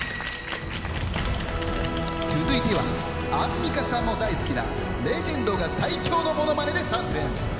続いてはアンミカさんも大好きなレジェンドが最強のものまねで参戦